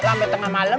sampai tengah malam